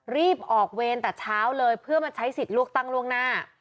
รีบออกเวรแต่เช้าเลยเพื่อมาใช้สิทธิ์เลือกตั้งล่วงหน้า